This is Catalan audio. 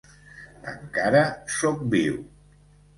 Encara sóc viu.